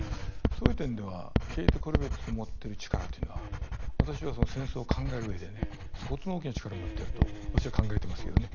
そういう点ではケーテ・コルヴィッツの持ってる力というのは私は戦争を考える上で相当な大きな力になってると私は考えてますけどね。